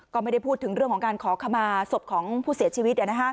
ก็ไม่ได้พูดถึงเรื่องของการขอขมาศพของผู้เสียชีวิต